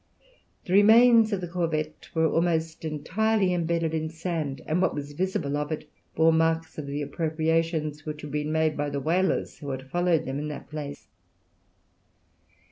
The remains of the corvette were almost entirely imbedded in sand, and what was visible of it bore marks of the appropriations which had been made by the whalers who had followed them in that place.